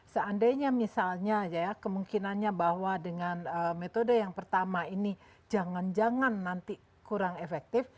seandainya misalnya ya kemungkinannya bahwa dengan metode yang pertama ini jangan jangan nanti kurang efektif